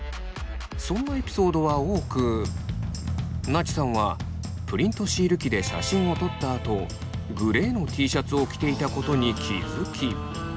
そんなエピソードは多くなちさんはプリントシール機で写真を撮ったあとグレーのＴシャツを着ていたことに気付き。